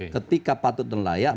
ketika patut dan layak